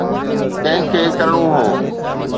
ڪنهن کي ڪرڻو هو؟